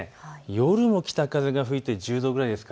夜も北風が吹いて１０度くらいです。